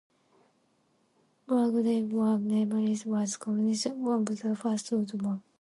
Wargrave War Memorial was commissioned in the aftermath of the First World War.